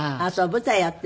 舞台やって。